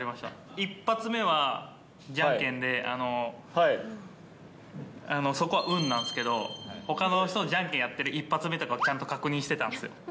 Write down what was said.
１発目はじゃんけんで、そこは運なんですけど、ほかの人のじゃんけんやってる一発目とかをちゃんと確認してたんです。